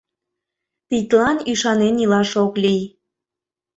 Тидлан ӱшанен илаш ок лий.